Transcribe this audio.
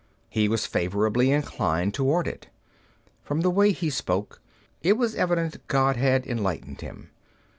He was favorably inclined toward it. From the way he spoke, it was evident God had enlightened him.